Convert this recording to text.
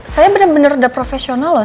saya bener bener udah profesional lho